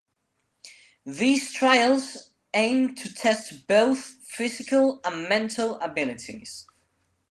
These trials aim to test both physical and mental abilities.